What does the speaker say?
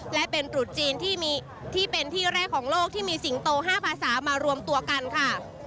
และเป็นตรุษจีนที่เป็นที่แรกของโลกที่มีสิงโต๕ภาษามารวมตัวกันค่ะ